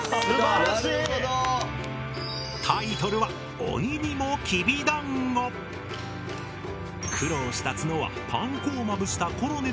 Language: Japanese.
タイトルは苦労したツノはパン粉をまぶしたコロネで表現。